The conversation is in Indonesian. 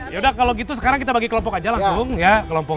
ya udah kalau gitu sekarang kita bagi kelompok aja langsung ya kelompok